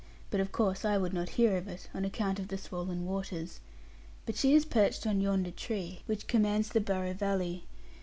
But of course I would not hear of it, on account of the swollen waters. But she is perched on yonder tree, which commands the Barrow valley.